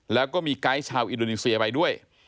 แล้วก็มีไกด์ชาวอินโดนีเซียไปด้วย